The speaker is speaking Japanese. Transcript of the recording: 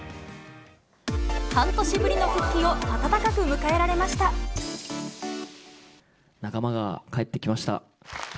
半年ぶりの復帰を温かく迎え仲間が帰ってきました。